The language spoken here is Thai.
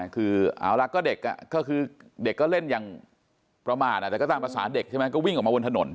คือเอาละก็เด็กก็คือเด็กก็เล่นอย่างประมาทแต่ก็ตามภาษาเด็กใช่ไหมก็วิ่งออกมาบนถนน